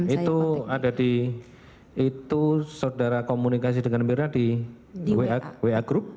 itu ada di itu saudara komunikasi dengan mirna di wa group